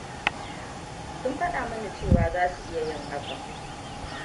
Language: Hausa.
Sun faɗa mani cewa za su iya yin hakan.